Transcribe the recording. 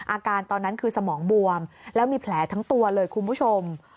อาการตอนนั้นคือสมองบวมแล้วมีแผลทั้งตัวเลยคุณผู้ชม